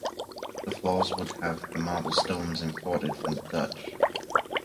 The floors would having the marble stones imported from Dutch.